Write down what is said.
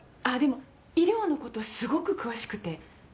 あっでも医療のことはすごく詳しくて。